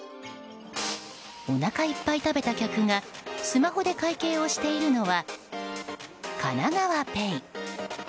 おなかいっぱい食べた客がスマホで会計をしているのはかながわＰａｙ。